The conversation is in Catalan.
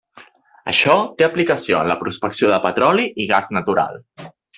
Això té aplicació en la prospecció de petroli i gas natural.